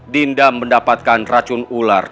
dinda mendapatkan racun ular